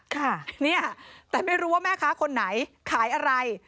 ค่ะเนี่ยแต่ไม่รู้ว่าแม่ค้าคนไหนขายอะไร